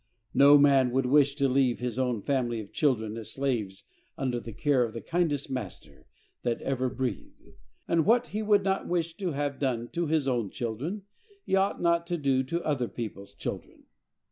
No man would wish to leave his own family of children as slaves under the care of the kindest master that ever breathed; and what he would not wish to have done to his own children, he ought not to do to other people's children.